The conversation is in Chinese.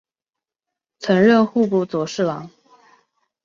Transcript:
曾任户部左侍郎。